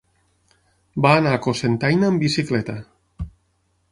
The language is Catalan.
Va anar a Cocentaina amb bicicleta.